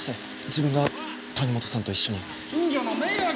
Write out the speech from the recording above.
自分が谷本さんと一緒に。